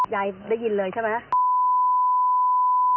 ยายได้ยินเลยใช่ไหม